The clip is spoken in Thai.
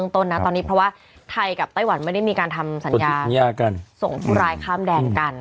ต้นนะตอนนี้เพราะว่าไทยกับไต้หวันไม่ได้มีการทำสัญญากันส่งผู้ร้ายข้ามแดนกัน